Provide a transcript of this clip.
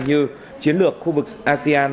như chiến lược khu vực asean